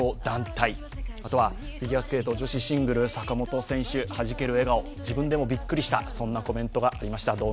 あとはフィギュアスケート女子シングル、坂本選手はじける笑顔、自分でもびっくりした、そんなコメントがありました。